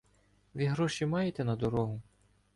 Ви гроші маєте на дорогу?